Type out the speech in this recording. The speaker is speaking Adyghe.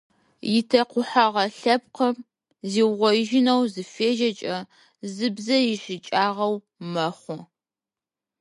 Итэкъухьэгъэ лъэпкъым зиугъоижьынэу зыфежьэкӏэ зы бзэ ящыкӏагъэу мэхъу.